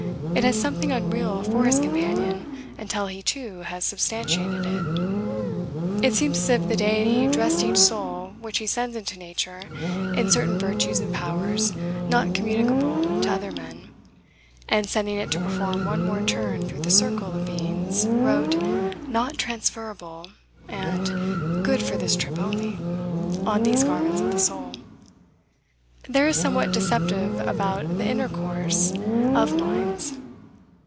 It has something unreal for his companion, until he too has substantiated it. It seems as if the Deity dressed each soul which he sends into nature in certain virtues and powers not communicable to other men, and, sending it to perform one more turn through the circle of beings, wrote "Not transferable," and "Good for this trip only," on these garments of the soul. There is somewhat deceptive about the intercourse of minds.